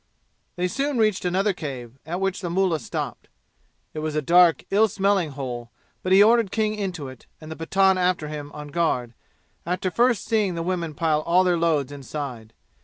They soon reached another cave, at which the mullah stopped. It was a dark ill smelling hole, but he ordered King into it and the Pathan after him on guard, after first seeing the women pile all their loads inside.